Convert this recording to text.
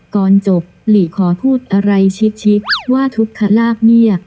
ก่อนจบหลีขอพูดอะไรชิคว่าทุกขลาบเนี่ย